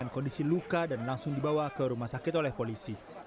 dengan kondisi luka dan langsung dibawa ke rumah sakit oleh polisi